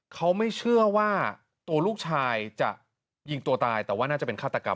เขาไม่เชื่อว่าตัวลูกชายจะยิงตัวตายแต่ว่าน่าจะเป็นฆาตกรรม